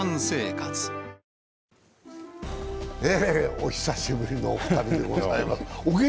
お久しぶりのお二人でございます。